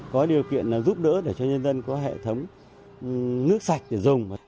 có điều kiện giúp đỡ để cho nhân dân có hệ thống nước sạch để dùng